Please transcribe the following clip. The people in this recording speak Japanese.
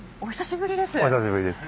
お久しぶりです。